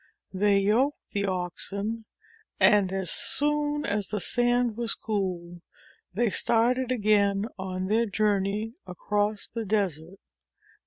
They yoked the oxen, and, as soon as the sand was cool, they started again on their jour ney across the desert.